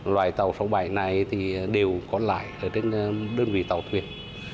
loài tàu sáu bảy này đều có lại ở trên đơn vị tàu thuyền